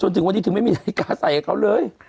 ถึงวันนี้ถึงไม่มีนาฬิกาใส่กับเขาเลย